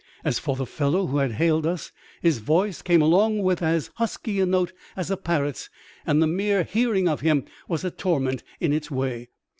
As for the fellow who had hailed us, his voice came along with as husky a note as a parrot's, and the mere hearing of him was a torment in its way.